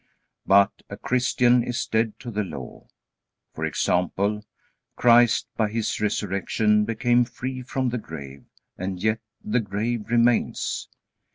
But a Christian is dead to the Law. For example, Christ by His resurrection became free from the grave, and yet the grave remains.